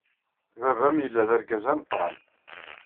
Baba-m yella d argaz ameqran.